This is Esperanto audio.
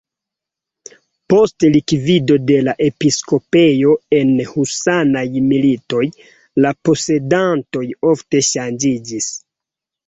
Post likvido de la episkopejo en husanaj militoj la posedantoj ofte ŝanĝiĝis.